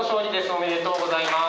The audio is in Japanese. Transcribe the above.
おめでとうございます。